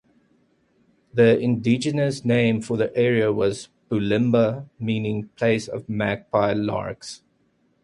The indigenous name for the area was "Boolimba" meaning "place of magpie larks".